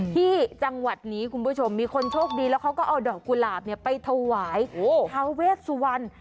ที่จังหวัดนี้คุณผู้ชมมีคนโชคดีแล้วเขาก็เอาดอกกุหลาบไปถวายทาเวชสุวรรณ